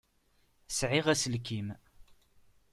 Sɛiɣ aselkim.